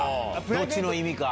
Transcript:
どっちの意味か。